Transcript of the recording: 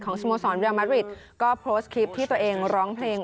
ของสมสรรค์เรียลมาดริตก็โพสต์คลิปที่ตัวเองร้องเพลง